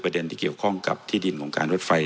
เด็นที่เกี่ยวข้องกับที่ดินของการรถไฟ